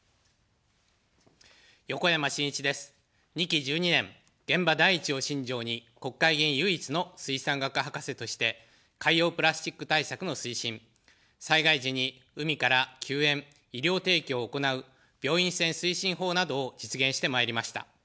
２期１２年、現場第一を信条に、国会議員唯一の水産学博士として、海洋プラスチック対策の推進、災害時に海から救援・医療提供を行う病院船推進法などを実現してまいりました。